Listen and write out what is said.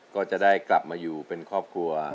ก็จะได้กลับมาอยู่เป็นครอบครัว